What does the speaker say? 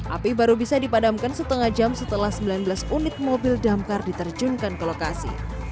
api baru bisa dipadamkan setengah jam setelah sembilan belas unit mobil damkar diterjunkan ke lokasi